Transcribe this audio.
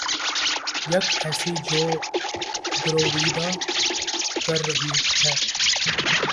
یک ایسی جو گرویدہ کر رہی ہے